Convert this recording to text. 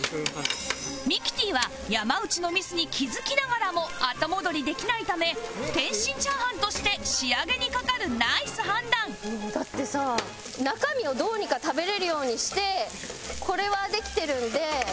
ミキティは山内のミスに気付きながらも後戻りできないため天津炒飯として仕上げにかかるナイス判断だってさ中身をどうにか食べれるようにしてこれはできてるんで。